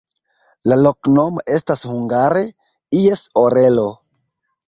La loknomo estas hungare: ies orelo.